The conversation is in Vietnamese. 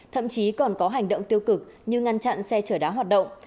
thậm chí còn có hành động tiêu cực như ngăn chặn xe chở đá hoạt động